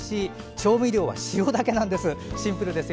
調味料は塩だけなんです。